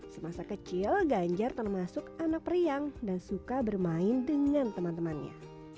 semasa kecil ganjar termasuk anak periang dan suka bermain dengan teman temannya